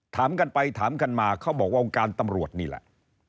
ถามกันไปถามกันมาเขาบอกว่าวงการตำรวจนี่แหละ